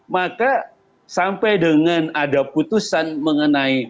maka sampai dengan ada putusan mengenai